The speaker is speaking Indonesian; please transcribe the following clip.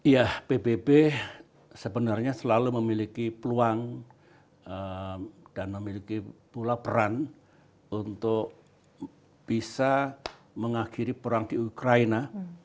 ya pbb sebenarnya selalu memiliki peluang dan memiliki pula peran untuk bisa mengakhiri perang di ukraina